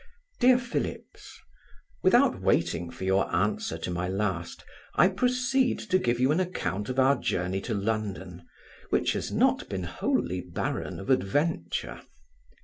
DEAR PHILLIPS, Without waiting for your answer to my last, I proceed to give you an account of our journey to London, which has not been wholly barren of adventure.